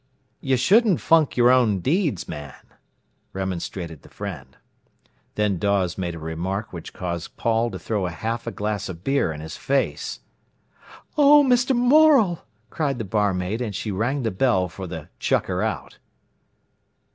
"You shouldn't funk your own deeds, man," remonstrated the friend. Then Dawes made a remark which caused Paul to throw half a glass of beer in his face. "Oh, Mr. Morel!" cried the barmaid, and she rang the bell for the "chucker out".